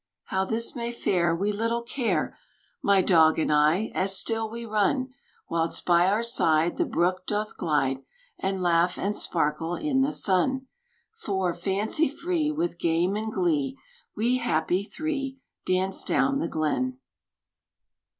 How this may fare we little care, My dog and I, as still we run! Whilst by our side the brook doth glide, And laugh and sparkle in the sun. For, fancy free, With game and glee, We happy three Dance down the glen.